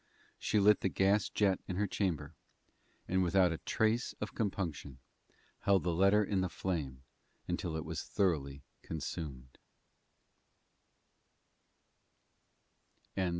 She lit the gas jet in her chamber, and, without a trace of compunction, held the letter in the flame until it was thoroughly consumed.